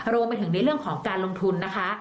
รวมไปถึงในเรื่องของการลงทุนนะคะ